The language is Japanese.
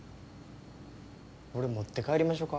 俺持って帰りましょか？